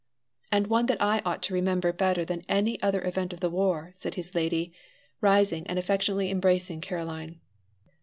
"And one that I ought to remember better than any other event of the war," said his lady, rising and affectionately embracing Caroline.